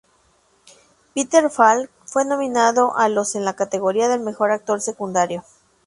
Peter Falk fue nominado a los en la categoría del mejor actor secundario.